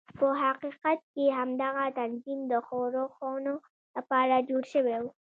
په حقیقت کې همدغه تنظیم د ښورښونو لپاره جوړ شوی و.